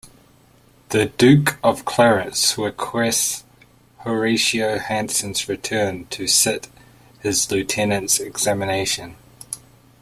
The Duke of Clarence requests Horatio Hanson's return to sit his lieutenant's examination.